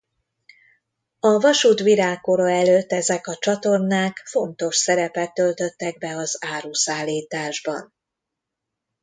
A vasút virágkora előtt ezek a csatornák fontos szerepet töltöttek be az áruszállításban.